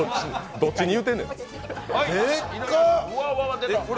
どっちに言うてんねん。